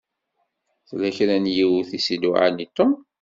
Tella kra n yiwet i s-iluɛan i Tom.